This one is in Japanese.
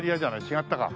違ったか。